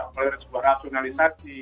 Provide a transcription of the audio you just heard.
melalui sebuah rasionalisasi